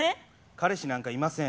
彼氏なんかいません。